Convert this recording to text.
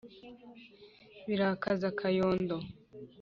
birakaza kayondo